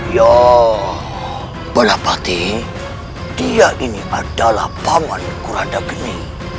ya balapati dia ini adalah paman kuranda geni